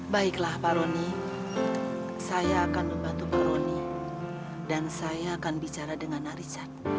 baiklah pak roni saya akan membantu pak roni dan saya akan bicara dengan richard